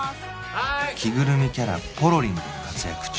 着ぐるみキャラポロリンで活躍中